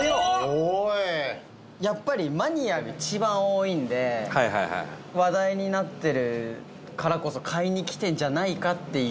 白濱：やっぱりマニアが一番多いんで話題になってるからこそ買いに来てるんじゃないかっていう。